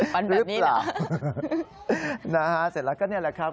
ปันแบบนี้นะฮะหรือเปล่านะฮะเสร็จแล้วก็นี่แหละครับ